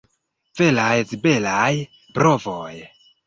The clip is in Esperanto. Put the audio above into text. Veraj zibelaj brovoj!